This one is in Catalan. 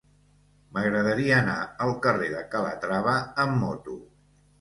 M'agradaria anar al carrer de Calatrava amb moto.